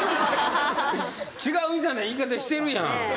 違うみたいな言い方してるやん。